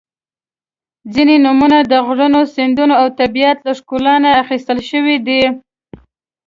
• ځینې نومونه د غرونو، سیندونو او طبیعت له ښکلا نه اخیستل شوي دي.